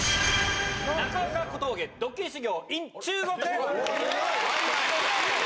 中岡、小峠、ドッキリ修行ｉｎ中国。